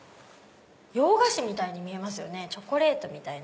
洋菓子みたいに見えますよねチョコレートみたいな。